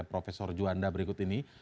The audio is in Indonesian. profesor juanda berikut ini